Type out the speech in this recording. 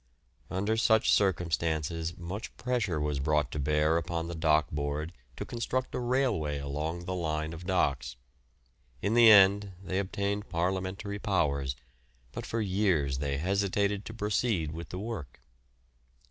Under such circumstances much pressure was brought to bear upon the Dock Board to construct a railway along the line of docks. In the end they obtained Parliamentary powers, but for years they hesitated to proceed with the work.